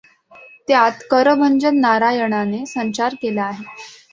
त्यात करभंजन नारायणाने संचार केला आहे.